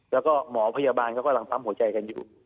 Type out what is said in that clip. แล้วก็หมอพยาบาลเขากำลังปั๊มหัวใจกันอยู่